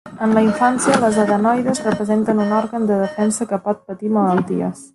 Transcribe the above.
En la infància, les adenoides representen un òrgan de defensa que pot patir malalties.